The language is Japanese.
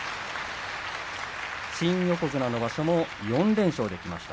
新横綱の場所も４連勝できました。